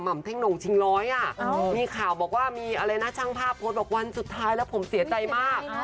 เท่งหน่งชิงร้อยมีข่าวบอกว่ามีอะไรนะช่างภาพโพสต์บอกวันสุดท้ายแล้วผมเสียใจมาก